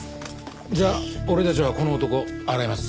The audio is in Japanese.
じゃあ俺たちはこの男洗います。